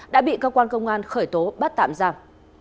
đã bị cơ quan công an khởi tố bắt tạm giam